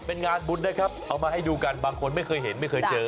เป็นงานบุญนะครับเอามาให้ดูกันบางคนไม่เคยเห็นไม่เคยเจอ